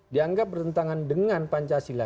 dianggap bertentangan dengan pancasila